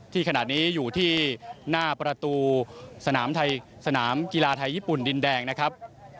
ขณะนี้อยู่ที่หน้าประตูสนามกีฬาไทยญี่ปุ่นดินแดงนะครับ